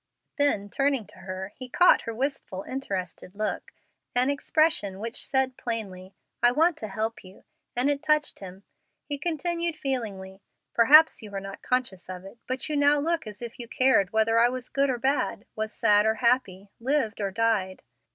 Then, turning to her, he caught her wistful, interested look an expression which said plainly, "I want to help you," and it touched him. He continued, feelingly, "Perhaps you are not conscious of it, but you now look as if you cared whether I was good or bad, was sad or happy, lived or died.